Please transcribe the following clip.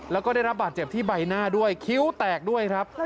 แล้วก็ได้รับบาดเจ็บที่ใบหน้าด้วยคิ้วแตกด้วยครับ